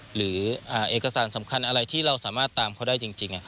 หรือเอกสารสำคัญอะไรที่เราสามารถตามเขาได้จริง